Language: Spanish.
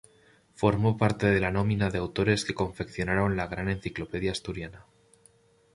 Formó parte de la nómina de autores que confeccionaron la "Gran Enciclopedia Asturiana".